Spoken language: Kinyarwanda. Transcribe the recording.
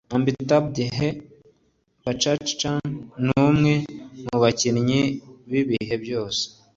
amitabh bachchan n’umwe mu bakinnyi b’ibihe byose